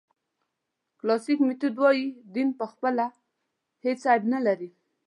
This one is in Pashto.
کلاسیک میتود وایي دین پخپله هېڅ عیب نه لري.